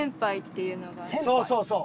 何かそうそうそう！